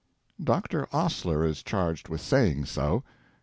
Doctor Osler is charged with saying so.